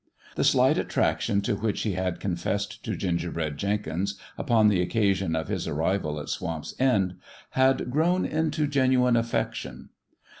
The slight attraction to which he had confessed to Gingerbread Jenkins upon the occasion of his arrival at Swamp's End had grown into genuine affection.